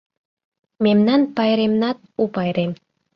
Мемнан пайремнат — у пайрем.